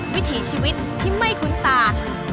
วิถีชีวิตที่ไม่คุ้นตา